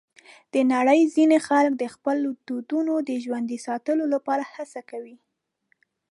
د نړۍ ځینې خلک د خپلو دودونو د ژوندي ساتلو لپاره هڅه کوي.